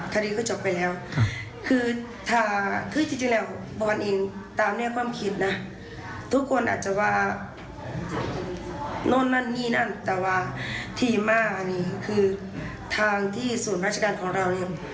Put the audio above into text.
ทางที่ส่วนราชการของเราเนี่ย